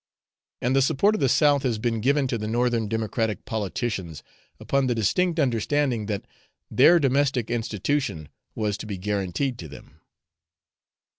And the support of the South has been given to the Northern Democratic politicians, upon the distinct understanding that their 'domestic institution' was to be guaranteed to them.